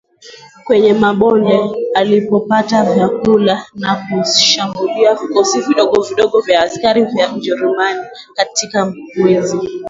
kwenye mabonde alipopata vyakula na kushambulia vikosi vidogo vya askari vya KijerumaniKatika mwezi